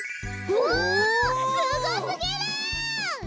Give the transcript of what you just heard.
おおすごすぎる！